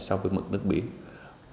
so với mực nước biển